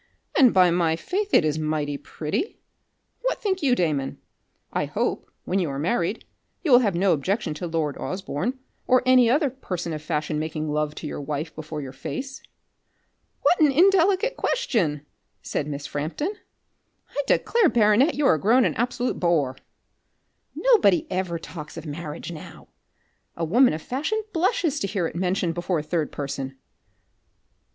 And by my faith, it is mighty pretty. What think you Damon? I hope, when you are married, you will have no objection to lord Osborne, or any other person of fashion making love to your wife before your face." "What an indelicate question!" said Miss Frampton. "I declare, baronet, you are grown an absolute boor. Nobody ever talks of marriage now. A woman of fashion blushes to hear it mentioned before a third person."